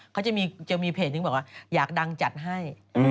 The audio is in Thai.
เขาจะมีเพจนึงบอกว่าอยากดังจัดให้